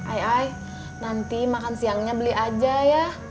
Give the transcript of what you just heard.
ai nanti makan siangnya beli aja ya